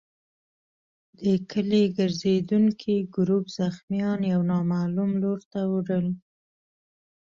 د کلي ګرزېدونکي ګروپ زخمیان يو نامعلوم لور ته وړل.